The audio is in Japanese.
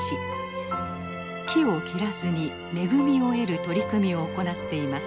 木を切らずに恵みを得る取り組みを行っています。